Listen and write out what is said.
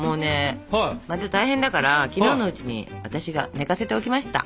また大変だから昨日のうちに私が寝かせておきました。